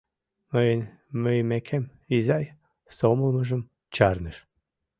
Мыйын мийымекем, изай сомылымыжым чарныш.